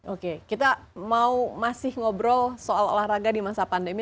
oke kita mau masih ngobrol soal olahraga di masa pandemi